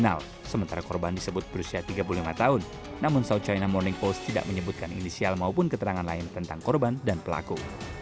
nenek tersebut meminta korban membeberkan apa saja yang sudah terjadi